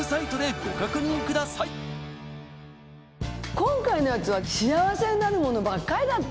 今回のやつは幸せになるものばっかりだった。